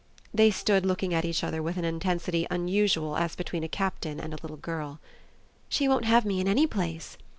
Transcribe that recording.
They stood looking at each other with an intensity unusual as between a Captain and a little girl. "She won't have me in any place."